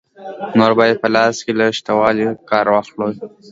نور باید په لاس کې له شته آلې کار واخلې.